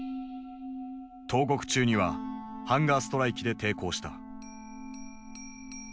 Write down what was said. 投獄中にはハンガーストライキで抵抗した。